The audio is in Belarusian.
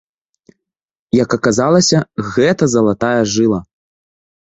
Як аказалася, гэта залатая жыла!